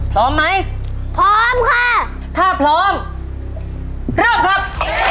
พร้อมไหมพร้อมค่ะถ้าพร้อมเริ่มครับ